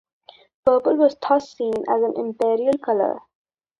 Purple was thus seen as an imperial colour.